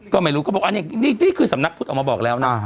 ก็ไม่รู้ก็บอกว่านี่คือสำนักพุทธว่า